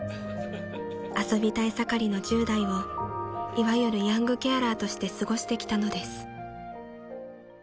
［遊びたい盛りの１０代をいわゆるヤングケアラーとして過ごしてきたのです］